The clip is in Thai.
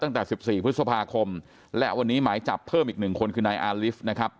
ตั้งแต่๑๔พฤษภาคมและวันนี้หมายจับเพิ่มอีกหนึ่งคนคือนายอาลิฟต์นะครับ